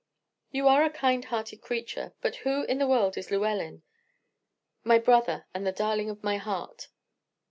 "You are a kind hearted creature; but who in the world is Llewellyn?" "My brother, and the darling of my heart."